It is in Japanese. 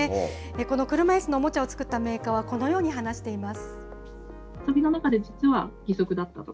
この車いすのおもちゃを作ったメーカーはこのように話しています。